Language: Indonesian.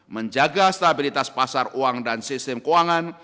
menjaga stabilitas pasar uang dan sistem keuangan